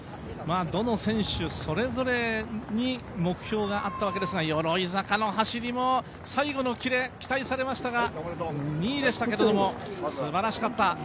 どの選手それぞれに目標があったわけですが鎧坂の走りも最後のキレ、期待されましたが２位でしたけども、すばらしかった！